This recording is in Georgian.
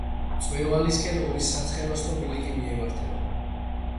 მწვერვალისკენ ორი საცხენოსნო ბილიკი მიემართება.